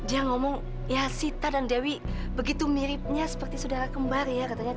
ibu alhamdulillah ibu udah baik kan